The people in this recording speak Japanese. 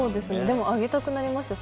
でもあげたくなりました。